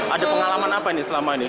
ada pengalaman apa nih selama ini